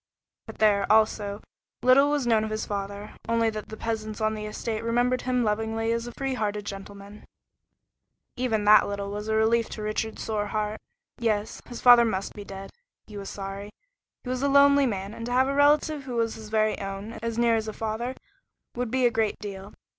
But there, also, little was known of his father, only that the peasants on the estate remembered him lovingly as a free hearted gentleman. Even that little was a relief to Richard's sore heart. Yes, his father must be dead. He was sorry. He was a lonely man, and to have a relative who was his very own, as near as a father, would be a great deal.